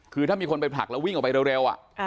คือถ้ามีคนไปผลักแล้ววิ่งออกไปเร็ว